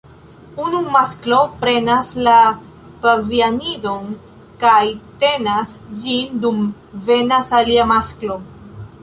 Unu masklo prenas la pavianidon kaj tenas ĝin dum venas alia masklo.